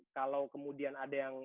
kalau kemudian ada yang